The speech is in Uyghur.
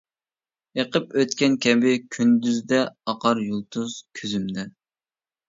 ئېقىپ ئۆتكەن كەبى كۈندۈزدە ئاقار يۇلتۇز كۆزۈمدە.